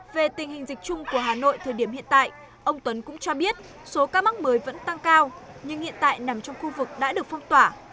về tình hình dịch chung của hà nội thời điểm hiện tại ông tuấn cũng cho biết số ca mắc mới vẫn tăng cao nhưng hiện tại nằm trong khu vực đã được phong tỏa